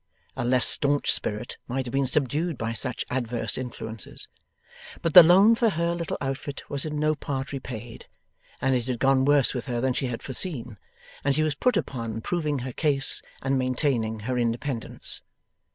A less stanch spirit might have been subdued by such adverse influences; but the loan for her little outfit was in no part repaid, and it had gone worse with her than she had foreseen, and she was put upon proving her case and maintaining her independence.